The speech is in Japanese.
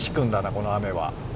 この雨は。